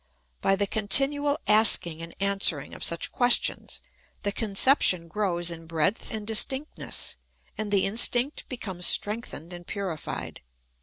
' By the continual ask ing and answering of such questions the conception grows in breadth and distinctness, and the instinct be comes strengthened and purified.